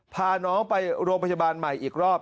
พาน้องไปโรงพยาบาลใหม่อีกรอบ